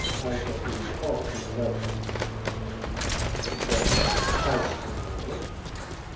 I shall be all anxiety.‚ÄĚ “Then, as to money?